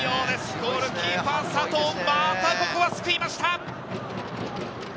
ゴールキーパー・佐藤、またここは救いました。